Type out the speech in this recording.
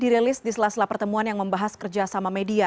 dirilis di sela sela pertemuan yang membahas kerjasama media